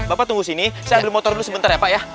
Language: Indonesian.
bapak tunggu sini saya ambil motor dulu sebentar ya pak ya